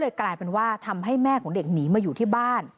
กลายเป็นว่าทำให้แม่ของเด็กหนีมาอยู่ที่บ้าน